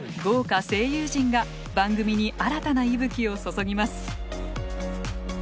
豪華声優陣が番組に新たな息吹を注ぎます。